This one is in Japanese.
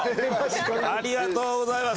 ありがとうございます。